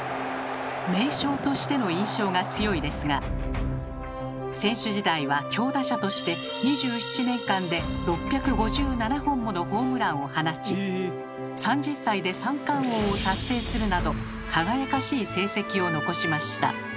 「名将」としての印象が強いですが選手時代は強打者として２７年間で６５７本ものホームランを放ち３０歳で三冠王を達成するなど輝かしい成績を残しました。